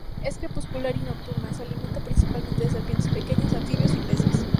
Es crepuscular y nocturna, se alimenta principalmente de serpientes pequeñas, anfibios y peces.